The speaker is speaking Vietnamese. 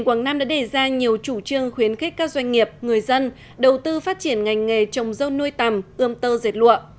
quảng nam đã đề ra nhiều chủ trương khuyến khích các doanh nghiệp người dân đầu tư phát triển ngành nghề trồng dâu nuôi tầm ươm tơ dệt lụa